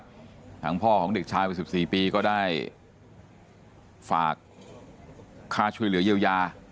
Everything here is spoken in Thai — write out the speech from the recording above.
มาในวันพรุ่งนี้นะครับทางพ่อของเด็กชาย๑๔ปีก็ได้ฝากค่าช่วยเหลือเยี่ยวยา